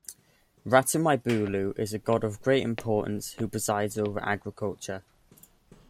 Ratumaibulu is a god of great importance who presides over agriculture.